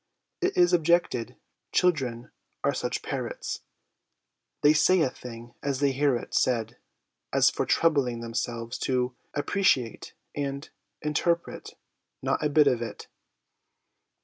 It is objected ' Children are such parrots ! They say a thing as they hear it said ; as for troubling them selves to " appreciate " and " interpret," not a bit of it